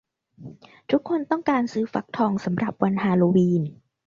ทุกคนต้องการซื้อฟักทองสำหรับวันฮาโลวีน